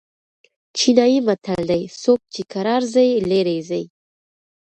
چینايي متل دئ: څوک چي کرار ځي؛ ليري ځي.